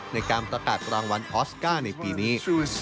ในการประกาศรางวัลออสการ์ในปีนี้